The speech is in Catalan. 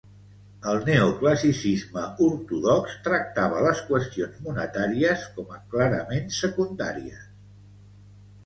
El neoclassicisme ortodox tractava les qüestions monetàries com a clarament secundàries.